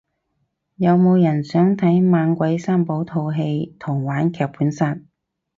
有冇人想睇猛鬼三寶套戲同玩劇本殺